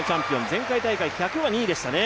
前回大会１００は２位でしたね。